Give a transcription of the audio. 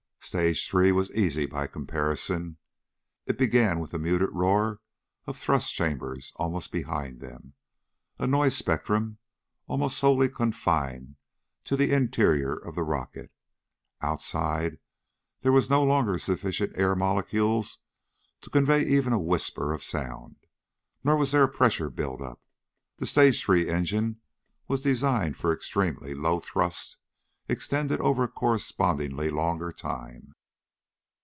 Stage three was easy by comparison. It began with the muted roar of thrust chambers almost behind them, a noise spectrum almost solely confined to the interior of the rocket. Outside there was no longer sufficient air molecules to convey even a whisper of sound. Nor was there a pressure build up. The stage three engine was designed for extremely low thrust extended over a correspondingly longer time.